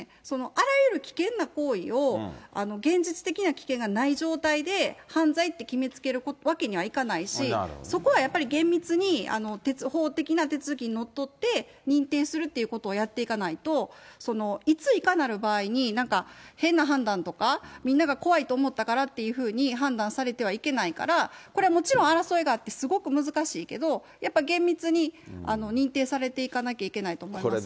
あらゆる危険な行為を、現実的な危険がない状態で、犯罪って決めつけるわけにはいかないし、そこはやっぱり厳密に法的な手続きにのっとって認定するということをやっていかないと、いつ、いかなる場合に、なんか変な判断とか、みんなが怖いと思ったからというふうに判断されてはいけないから、これはもちろん争いがあって、すごく難しいけど、やっぱ厳密に認定されていかなきゃいけないと思いますね。